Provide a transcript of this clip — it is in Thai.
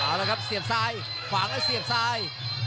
เอาละครับเสียบซ้ายขวางแล้วเสียบซ้าย